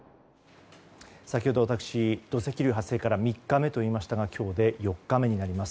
先ほど、私土石流発生から３日目と言いましたが今日で４日目になります。